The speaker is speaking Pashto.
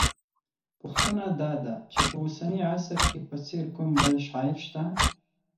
پوښتنه دا ده چې په اوسني عصر کې په څېر کوم بل شاعر شته